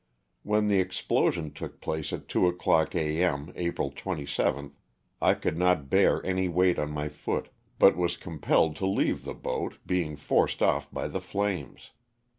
When the explosion took place at two o'clock a. m., April 27, 1 could not bear any weight on my foot, but was compelled to leave the boat, being forced off by the flames.